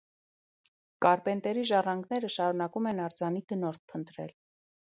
Կարպենտերի ժառանգները շարունակում են արձանի գնորդ փնտրել։